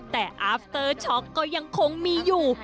แต่อาฟเตอร์ช็อกก็ยังคงมีอยู่